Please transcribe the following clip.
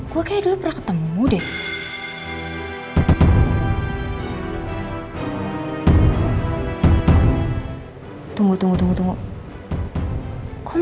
gua kayak dulu pernah ketemu deh